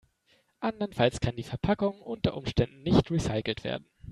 Andernfalls kann die Verpackung unter Umständen nicht recycelt werden.